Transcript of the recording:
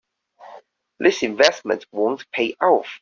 This investment won't pay off.